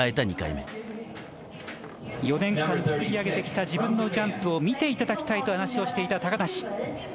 ４年間、作り上げてきた自分のジャンプを見ていただきたいと話していた高梨。